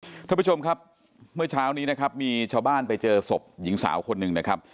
คุณผู้ชมครับเมื่อเช้านี้นะครับมีชาวบ้านไปเจอศพหญิงสาวคนหนึ่งนะครับ